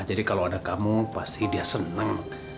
jadi kalau ada kamu pasti dia senang